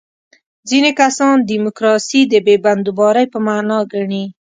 ځینې کسان دیموکراسي د بې بندوبارۍ په معنا ګڼي.